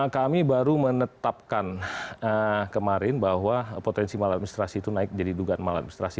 kami baru menetapkan kemarin bahwa potensi maladministrasi itu naik jadi dugaan maladministrasi